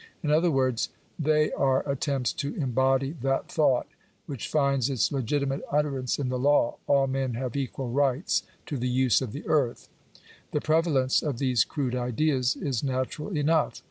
In other words, they are attempts to embody that thought which finds its legitimate utterance in the law — all men have equal rights to the use of the Earth (Chap. IX.). The pre valence of these crude ideas is natural enough.